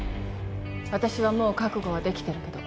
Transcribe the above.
私はもう覚悟はできてるけど。